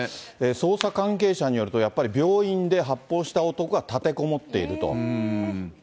捜査関係者によると、やっぱり病院で発砲した男が立てこもっていると。